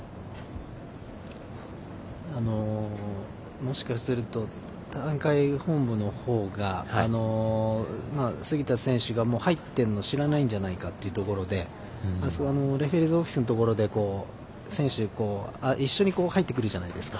もしかすると大会本部のほうが杉田選手が入ってるのを知らないんじゃないかというところでレフェリーズオフィスのところで選手と一緒に入ってくるじゃないですか。